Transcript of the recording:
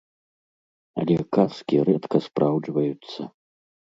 Але казкі рэдка спраўджваюцца.